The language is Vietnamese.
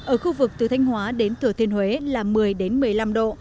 ở khu vực từ thanh hóa đến thừa thiên huế là một mươi một mươi năm độ